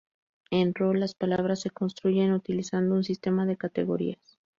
En Ro, las palabras se construyen utilizando un sistema de categorías.